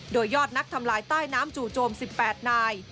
โดยยอดนักทำลายใต้น้ำจู่โจม๑๘นาย